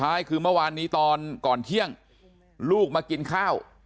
แล้วก็ยัดลงถังสีฟ้าขนาด๒๐๐ลิตร